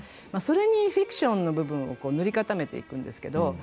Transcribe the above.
それにフィクションの部分を塗り固めていくんです。